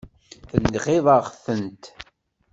Tenɣiḍ-aɣ-tent.